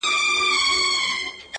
• چا ته دم چا ته دوا د رنځ شفا سي,